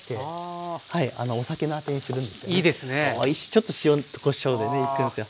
ちょっと塩こしょうでねいくんすよ。